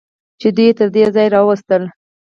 چې دوی یې تر دې ځایه راوستل.